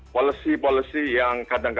polisi polisi yang keterangannya